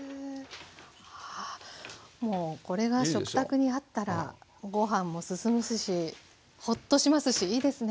もうこれが食卓にあったらご飯も進みますしほっとしますしいいですね。